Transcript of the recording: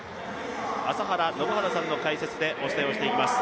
朝原宣治さんの解説でお伝えします。